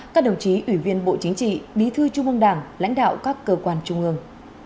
các đồng chí ủy viên bộ chính trị bí thư trung ương đảng lãnh đạo các cơ quan trung ương